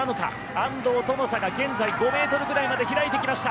安藤との差が、現在５ｍぐらいまで開いてきました。